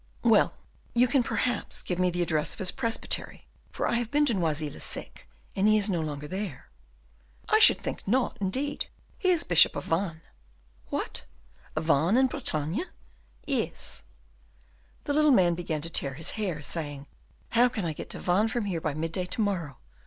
"Well, you can, perhaps, give me the address of his presbytery, for I have been to Noisy le Sec, and he is no longer there." "I should think not, indeed. He is Bishop of Vannes." "What! Vannes in Bretagne?" "Yes." The little man began to tear his hair, saying, "How can I get to Vannes from here by midday to morrow?